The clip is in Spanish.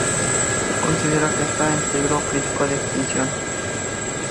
Se considera que está en peligro crítico de extinción.